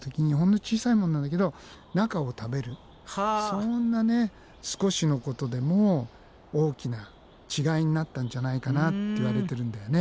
そんな少しのことでも大きな違いになったんじゃないかなっていわれてるんだよね。